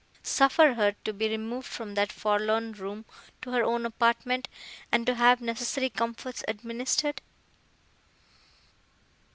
Suffer her to be removed from that forlorn room to her own apartment, and to have necessary comforts administered."